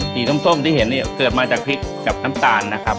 สีส้มที่เห็นเนี่ยเกิดมาจากพริกกับน้ำตาลนะครับ